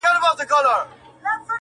• که عادت سي یو ځل خوله په بد ویلو -